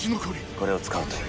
これを使うといい。